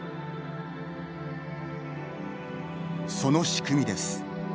その仕組みです。